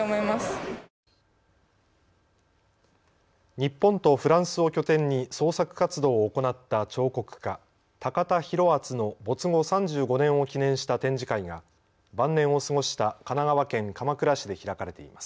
日本とフランスを拠点に創作活動を行った彫刻家、高田博厚の没後３５年を記念した展示会が晩年を過ごした神奈川県鎌倉市で開かれています。